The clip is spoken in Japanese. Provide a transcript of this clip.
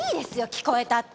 聞こえたって。